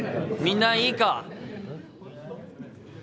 みんないいか？